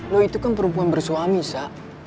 lo itu kan perempuan bersuami sak